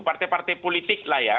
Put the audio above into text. partai partai politik lah ya